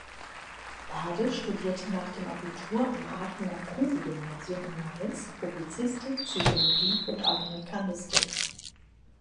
Bade studierte nach dem Abitur am Aachener Couven-Gymnasium in Mainz Publizistik, Psychologie und Amerikanistik.